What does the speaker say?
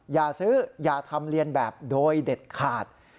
อย่าซื้ออย่าทำเรียนแบบโดยเด็ดขาด